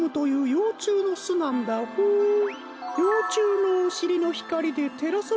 ようちゅうのおしりのひかりでてらされてるんだホー。